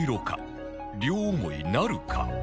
両思いなるか？